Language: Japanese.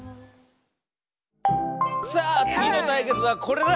さあつぎのたいけつはこれだ！